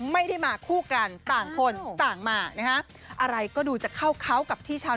ไม่ได้มาคู่กันต่างคนต่างมานะฮะอะไรก็ดูจะเข้าเขากับที่ชาว